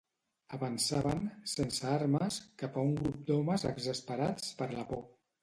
Avançaven, sense armes, cap a un grup d'homes exasperats per la por